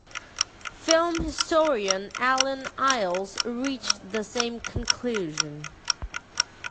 Film historian Allen Eyles reached the same conclusion.